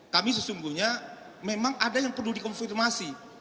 kami sesungguhnya memang ada yang perlu dikonfirmasi